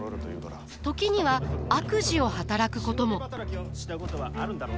時には悪事を働くことも。